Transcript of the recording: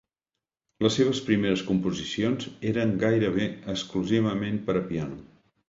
Les seves primeres composicions eren gairebé exclusivament per a piano.